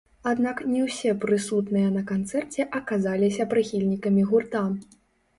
Аднак, не ўсе прысутныя на канцэрце аказаліся прыхільнікамі гурта.